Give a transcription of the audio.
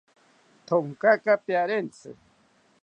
Thonkaka piarentzi